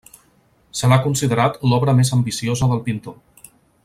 Se l'ha considerat l'obra més ambiciosa del pintor.